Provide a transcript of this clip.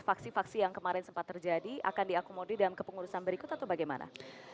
faksi faksi yang kemarin sempat terjadi akan diakomodir dalam kepengurusan berikut atau bagaimana